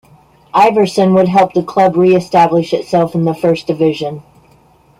Iversen would help the club reestablish itself in the First Division.